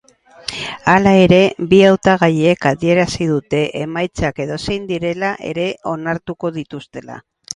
Hala ere, bi hautagaiek adierazi dute emaitzak edozein direla ere onartuko dituztela.